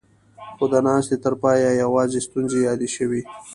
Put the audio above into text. خو د ناستې تر پايه يواځې ستونزې يادې شوې.